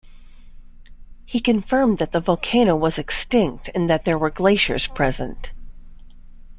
He confirmed that the volcano was extinct and that there were glaciers present.